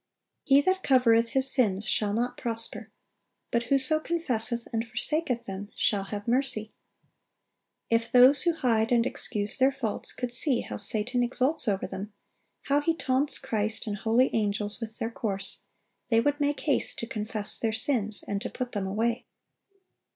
"He that covereth his sins shall not prosper: but whoso confesseth and forsaketh them shall have mercy."(870) If those who hide and excuse their faults could see how Satan exults over them, how he taunts Christ and holy angels with their course, they would make haste to confess their sins and to put them away.